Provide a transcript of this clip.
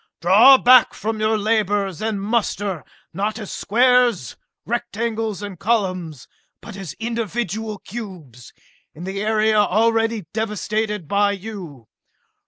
Draw back from your labors, and muster, not as squares, rectangles and columns, but as individual cubes, in the area already devastated by you!